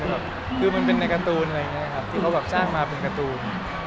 แบบคือมันเป็นในการ์ตูนอะไรอย่างนี้ครับที่เขาแบบสร้างมาเป็นการ์ตูน